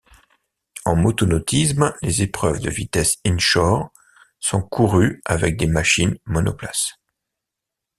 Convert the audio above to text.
En motonautisme, les épreuves de vitesse inshore sont courues avec des machines monoplace.